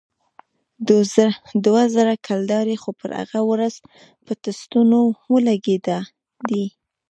دوه زره کلدارې خو پر هغه ورځ په ټسټونو ولگېدې.